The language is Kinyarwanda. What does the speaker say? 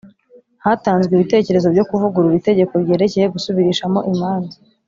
hatanzwe ibitekerezo byo kuvugurura itegeko ryerekeye gusubirishamo imanza